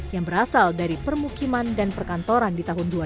yang berasal dari permukiman sampah di jakarta dan di negara lainnya